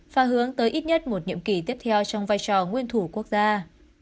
và hướng tới ít nhất một nhiệm kỳ tiếp theo trong vai trò nguyên thủ quốc gia